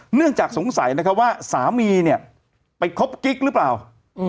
เนื่องจากสงสัยนะครับว่าสามีเนี่ยไปคบกิ๊กหรือเปล่าอืม